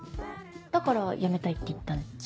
だからやめたいって言ったんじゃ。